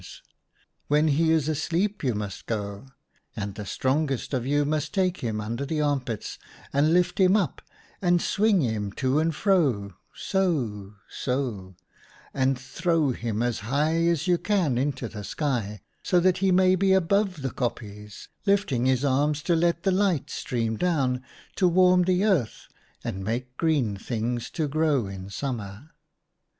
THE SUN 57 When he is asleep, you must go ; and the strongest of you must take him under the armpits, and lift him up, and swing him to and fro — so — so — and throw him as high as you can into the sky, so that he may be above the kopjes, lifting his arms to let the light stream down to warm the earth and make green things to grow in summer.'